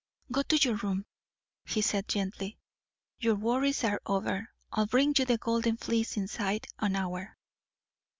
"Go to your room," he said gently. "Your worries are over. I'll bring you the golden fleece inside an hour."